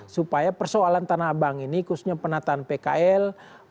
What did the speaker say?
supaya persoalan tanah abang ini khususnya penataan pkl